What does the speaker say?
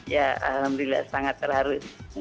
ya alhamdulillah sangat terharu